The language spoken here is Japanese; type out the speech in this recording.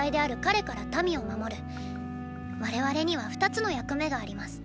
我々には二つの役目があります。